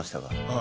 あ